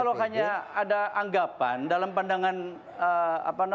kalau hanya ada anggapan dalam pandangan